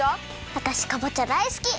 わたしかぼちゃだいすき！